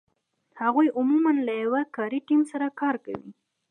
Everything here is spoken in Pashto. هغوی عمومآ له یو کاري ټیم سره کار کوي.